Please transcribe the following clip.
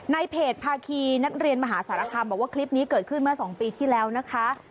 ในเพจภาคีนักเรียนมหาสารคามบอกว่าคลิปนี้เกิดขึ้นเมื่อ๒ปีที่แล้วนะคะ